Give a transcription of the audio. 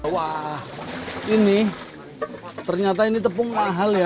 wah ini ternyata ini tepung mahal ya